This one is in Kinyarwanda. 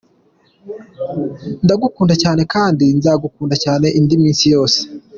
Ndagukunda cyane kandi nzagukunda cyane indi minsi yose.